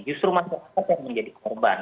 justru masyarakat yang menjadi korban